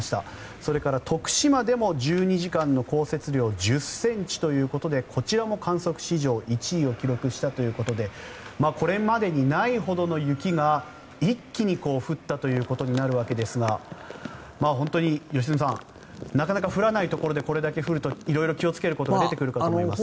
それから徳島でも１２時間の降雪量１０ｃｍということでこちらも観測史上１位を記録したということでこれまでにないほどの雪が一気に降ったということになるわけですが本当に良純さんなかなか降らないところでこれだけ降ると色々と気をつけることが出てくると思いますが。